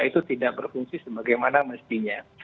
itu tidak berfungsi sebagaimana mestinya